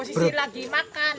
posisi lagi makan